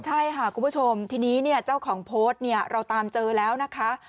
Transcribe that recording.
ใช่ค่ะคุณผู้ชมทีนี้เจ้าของโพสต์เราตามเจอแล้วนะคะ